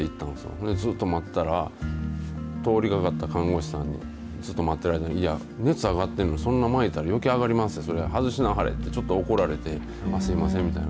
それでずっと待ってたら、通りがかった看護師さんに、ずっと待ってる間に、いや、熱上がってるのに、そんな巻いたらよけい上がりまっせ、それ外しなはれって、ちょっと怒られて、すみませんみたいな。